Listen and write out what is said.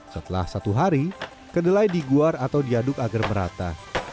setelah satu hari kedelai diguar atau diaduk agar merata